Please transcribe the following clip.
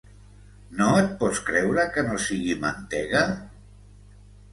No et pots creure que no sigui mantega?